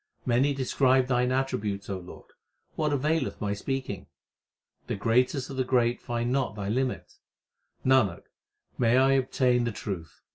Many describe Thine attributes, O Lord ; what availeth my speaking ? The greatest of the great find not Thy limit. Nanak, may I obtain the truth